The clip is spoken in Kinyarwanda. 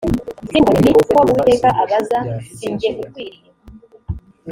simubone ni ko uwiteka abaza si jye ukwiriye